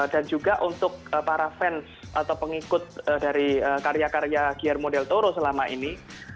dan juga untuk para fans atau pengikut dari karya karya guillermo del toro selama ini